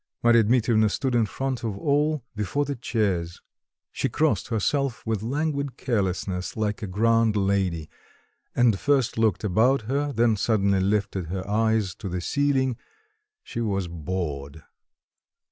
Marya Dmitrievna stood in front of all, before the chairs; she crossed herself with languid carelessness, like a grand lady, and first looked about her, then suddenly lifted her eyes to the ceiling; she was bored.